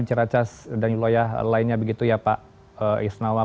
di ciracas dan di loya lainnya begitu ya pak isnawa